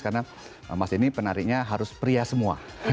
karena mas ini penarinya harus pria semua